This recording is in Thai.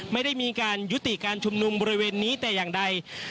ไม่ได้มีการยุติการชุมนุมบริเวณนี้แต่อย่างใด